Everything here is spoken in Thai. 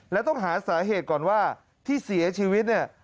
และต้องหาสาเหตุก่อนว่าที่เสียชีวิตเนี่ย